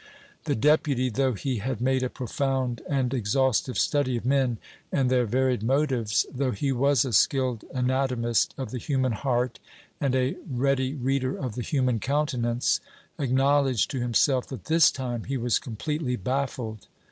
The Deputy, though he had made a profound and exhaustive study of men and their varied motives, though he was a skilled anatomist of the human heart and a ready reader of the human countenance, acknowledged to himself that this time he was completely baffled.